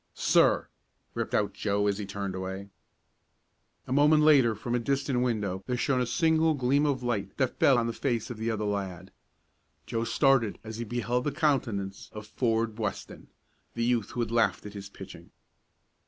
"Sir!" ripped out Joe, as he turned away. A moment later from a distant window there shone a single gleam of light that fell on the face of the other lad. Joe started as he beheld the countenance of Ford Weston the youth who had laughed at his pitching.